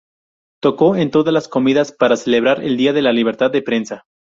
Tocó en todas las comidas para celebrar el Día de la Libertad de Prensa.